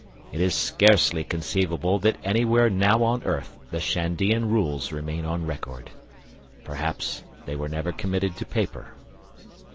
It is scarcely conceivable that anywhere now on earth the Shandean Rules remain on record. Perhaps they were never committed to paper....